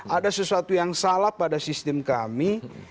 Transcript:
ada sesuatu yang salah pada sistem kami